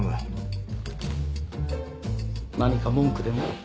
何か文句でも？